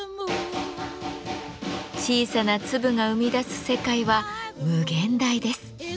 小さな粒が生み出す世界は無限大です。